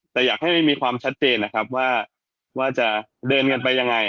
แต่อยากให้มีความชัดเจนนะครับว่าจะเดินกันไปยังไง